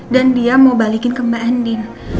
dan dia mau balikin ke mbak andin